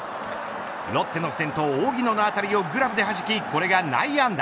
ロッテの先頭、荻野の当たりをグラブではじきこれが内野安打。